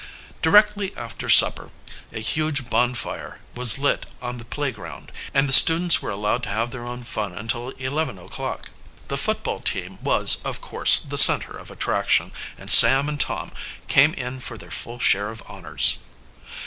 Directly after supper a huge bonfire was lit on the playground, and the students were allowed to have their own fun until eleven o'clock. The football team was, of course, the center of attraction, and Sam and Tom came in for their full share of honors.